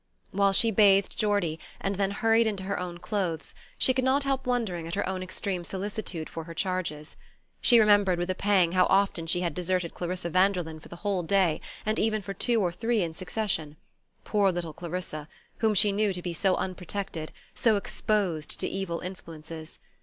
While she bathed Geordie, and then hurried into her own clothes, she could not help wondering at her own extreme solicitude for her charges. She remembered, with a pang, how often she had deserted Clarissa Vanderlyn for the whole day, and even for two or three in succession poor little Clarissa, whom she knew to be so unprotected, so exposed to evil influences.